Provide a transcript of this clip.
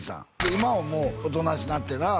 今はもうおとなしなってなあ